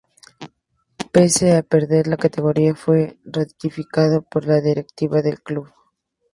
Pese a perder la categoría, fue ratificado por la directiva del club.